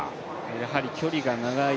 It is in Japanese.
やはり距離が長い